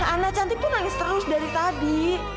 ana cantik tuh nangis terus dari tadi